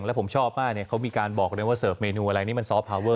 แล้วผมชอบมากเนี่ยเขามีการบอกเลยว่าเสิร์ฟเมนูอะไรนี่มันซอฟพาเวอร์